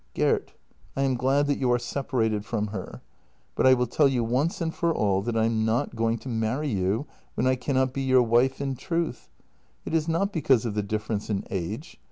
" Gert, I am glad that you are separated from her, but I will tell you once and for all that I am not going to marry you when I cannot be your wife in truth. It is not because of the difference in age.